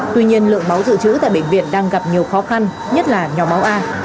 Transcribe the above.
tuy nhiên lượng máu dự trữ tại bệnh viện đang gặp nhiều khó khăn nhất là nhóm máu a